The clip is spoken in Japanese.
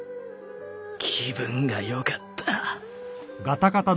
気分が良かった